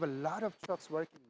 ada banyak truk yang bergantung